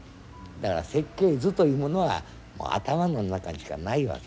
だから設計図というものは頭の中にしかないわけ。